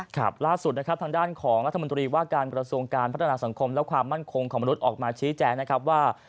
ครับล่าสุดนะครับทางด้านของรัฐมนตรีว่าการกระทรวงการพัฒนาสังคมและความมั่นคงของมนุษย์ออกมาชี้แจงนะครับว่า